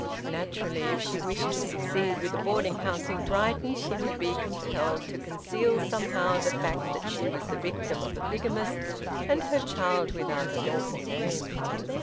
Naturally, if she wished to succeed with a boarding house in Brighton she would be compelled to conceal somehow the fact that she was the victim of a bigamist and her child without a lawful name!